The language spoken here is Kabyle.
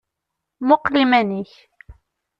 Muqel iman-ik!